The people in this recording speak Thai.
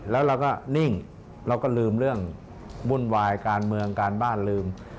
แล้วเราก็นิ่งเราก็ลืมเรื่องวุ่นวายการเมืองการบ้านลืม